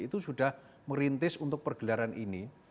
itu sudah merintis untuk pergelaran ini